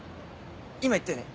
今言ったよね？